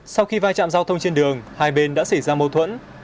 sau khi vai trạm giao thông trên đường hai bên đã xảy ra mâu thuẫn